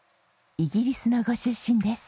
イギリスのご出身です。